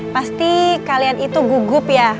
pasti kalian itu gugup ya